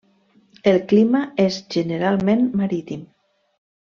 El clima és generalment marítim.